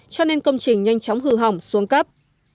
cho nên công trình nhanh chóng hư hỏng xuống cấp